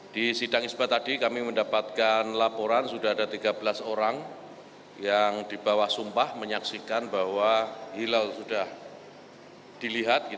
di sidang isbat tadi kami mendapatkan laporan sudah ada tiga belas orang yang di bawah sumpah menyaksikan bahwa hilal sudah dilihat